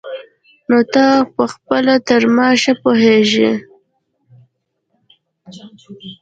نو ته پخپله تر ما ښه پوهېږي.